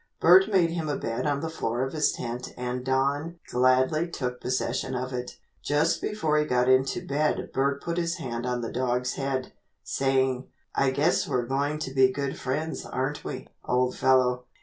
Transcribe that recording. Bert made him a bed on the floor of his tent and Don gladly took possession of it. Just before he got into bed Bert put his hand on the dog's head, saying, "I guess we're going to be good friends aren't we, old fellow?"